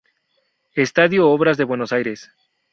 Estadio Obras de Buenos Aires.